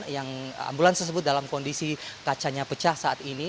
yang ambulans tersebut dalam kondisi kacanya pecah saat ini